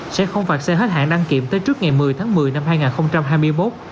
sẽ không phạt xe hết hạn đăng kiểm tới trước ngày một mươi tháng một mươi năm hai nghìn hai mươi một